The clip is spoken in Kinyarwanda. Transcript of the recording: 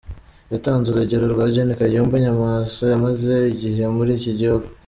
Yatanze urugero rwa Gen. Kayumba Nyamwasa umaze igihe muri iki gihugu.